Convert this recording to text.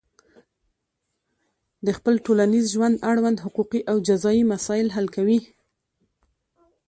د خپل ټولنیز ژوند اړوند حقوقي او جزایي مسایل حل کوي.